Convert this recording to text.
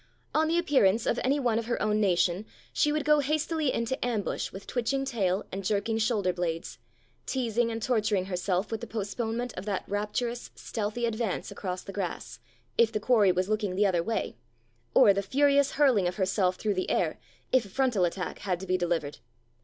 On the appearance of any one of her own nation she would go hastily into ambush with twitch ing tail and jerking shoulder blades, teasing and torturing herself with the postponement of that rap turous stealthy advance across the grass, if the quarry was looking the other way, or the furious hurling of herself through the air, if a frontal attack had to be delivered.